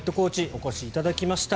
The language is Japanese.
お越しいただきました。